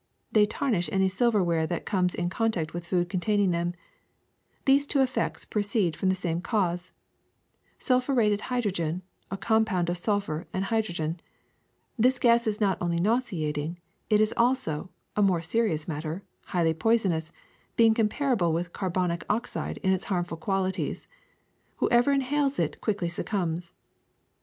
They tarnish any silverware that comes in contact with food containing them. These two effects proceed from the same cause, sulphureted hydrogen, a com pound of sulphur and hydrogen. This gas is not only nauseating; it is also, a more serious matter, highly poisonous, being comparable with carbonic oxide in its harmful qualities. Whoever inhales it quickly succumbs.